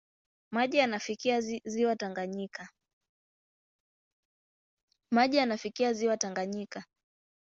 Maji yanafikia ziwa Tanganyika.